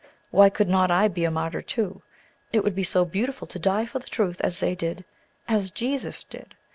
Why could not I be a martyr, too? It would be so beautiful to die for the truth as they did, as Jesus did!